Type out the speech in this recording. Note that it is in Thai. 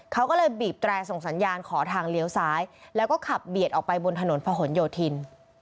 เขาก็เลยบีบแตรส่งสัญญาณขอทางเลี้ยวซ้ายแล้วก็ขับเบียดออกไปบนถนนพะหนโยธิน